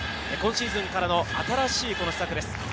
今シーズンからの新しい施策です。